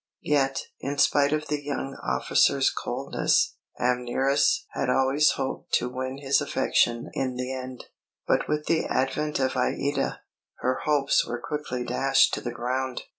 Yet, in spite of the young officer's coldness, Amneris had always hoped to win his affection in the end; but with the advent of Aïda, her hopes were quickly dashed to the ground.